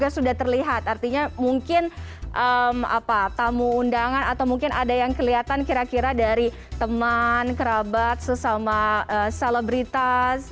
sudah terlihat artinya mungkin tamu undangan atau mungkin ada yang kelihatan kira kira dari teman kerabat sesama selebritas